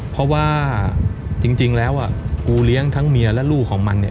เพราะว่าจริงแล้วกูเลี้ยงทั้งเมียและลูกของมันเนี่ย